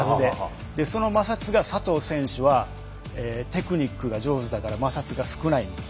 その摩擦が、佐藤選手はテクニックが上手だから摩擦が少ないんです。